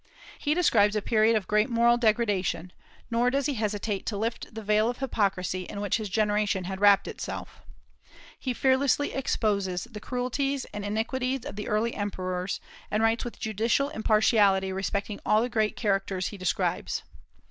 He describes a period of great moral degradation, nor does he hesitate to lift the veil of hypocrisy in which his generation had wrapped itself. He fearlessly exposes the cruelties and iniquities of the early emperors, and writes with judicial impartiality respecting all the great characters he describes.